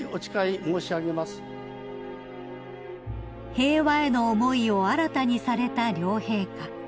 ［平和への思いを新たにされた両陛下］